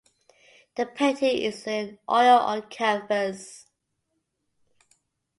The painting is in oil on canvas.